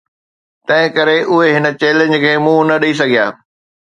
تنهن ڪري اهي هن چئلينج کي منهن نه ڏئي سگهيا.